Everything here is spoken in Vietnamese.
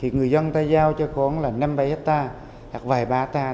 thì người dân ta giao cho khoảng là năm bảy hectare hoặc vài ba hectare